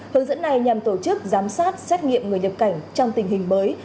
hướng dẫn này nhằm tổ chức giám sát xét nghiệm người nhập cảnh trong tình hình mới